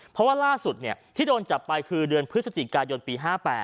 เพราะว่าล่าสุดที่โดนจับไปคือเดือนพฤศจิกายนปี๕๘